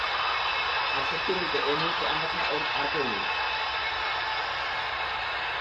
আর সত্যি বলতে এ মুহূর্তে আমরা ছাড়া ওর আর কেউ নেই।